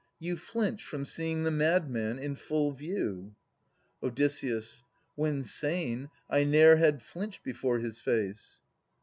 You flinch from seeing the madman in full view. Od. When sane, I ne'er had flinched before his face.